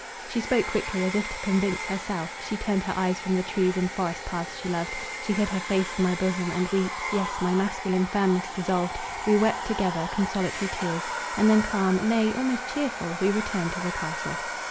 She spoke quickly, as if to convince herself; she turned her eyes from the trees and forest paths she loved; she hid her face in my bosom, and we— yes, my masculine firmness dissolved—we wept together consolatory tears, and then calm—nay, almost cheerful, we returned to the castle.